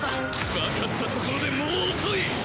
わかったところでもう遅い！